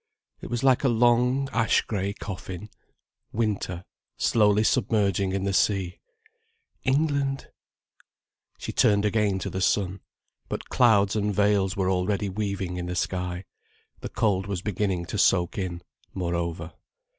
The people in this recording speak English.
It was like a long, ash grey coffin, winter, slowly submerging in the sea. England? She turned again to the sun. But clouds and veils were already weaving in the sky. The cold was beginning to soak in, moreover.